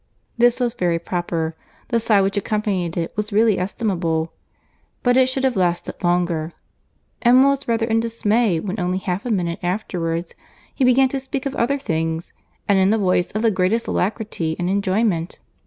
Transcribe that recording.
This was very proper; the sigh which accompanied it was really estimable; but it should have lasted longer. Emma was rather in dismay when only half a minute afterwards he began to speak of other things, and in a voice of the greatest alacrity and enjoyment.